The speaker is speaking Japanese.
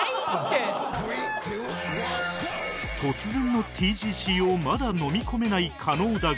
突然の ＴＧＣ をまだのみ込めない加納だが